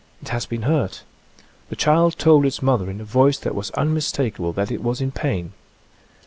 It has been hurt. The child told its mother in a voice that was unmistakable that it was in pain.